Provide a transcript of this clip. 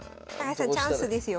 チャンスですよ。